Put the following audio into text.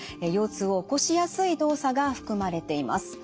腰痛を起こしやすい動作が含まれています。